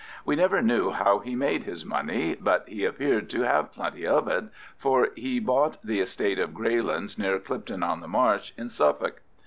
We never knew how he made his money, but he appeared to have plenty of it, for he bought the estate of Greylands, near Clipton on the Marsh, in Suffolk.